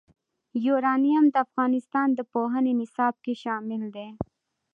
یورانیم د افغانستان د پوهنې نصاب کې شامل دي.